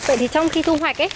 vậy thì trong khi thu hoạch